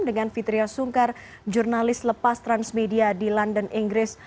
dengan fitriah sungkar jurnalis lepas transmedia di london inggris